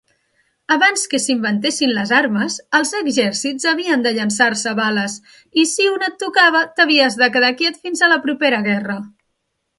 Abans que s'inventessin les armes, els exèrcits havien de llançar-se bales i, si una et tocava, t'havies de quedar quiet fins a la propera guerra.